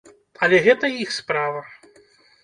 Але гэта іх справа.